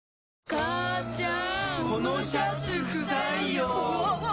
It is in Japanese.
母ちゃん！